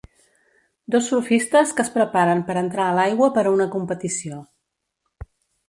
Dos surfistes que es preparen per entrar a l'aigua per a una competició.